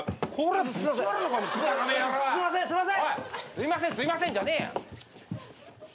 「すいませんすいません」じゃねえ。